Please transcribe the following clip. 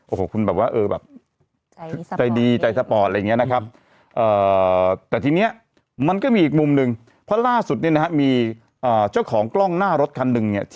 โอ้โหคุณแบบว่าใจดีใจสปอร์ตอะไรอย่างนี้นะครับ